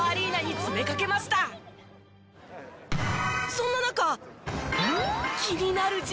そんな中。